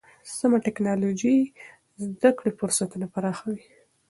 سمه ټکنالوژي د زده کړې فرصتونه پراخوي.